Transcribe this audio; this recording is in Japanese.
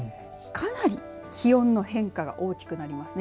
かなり気温の変化が大きくなりますね。